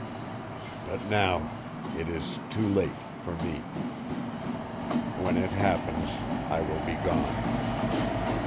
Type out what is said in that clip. But now it is too late for me. When it happens I will be gone.